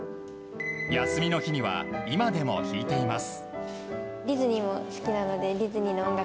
休みの日には今でも弾いています。